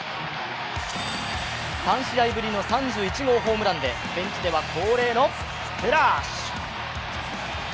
３試合ぶりの３１号ホームランで現地では恒例のスプラーッシュ！